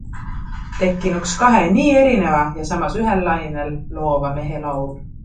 Tekkinuks kahe nii erineva ja samas ühel lainel loova mehe laul.